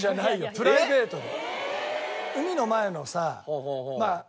プライベートで。